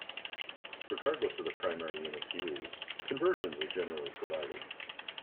Regardless of the primary units used, conversions are generally provided.